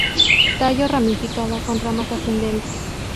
Tallo ramificado con ramas ascendentes.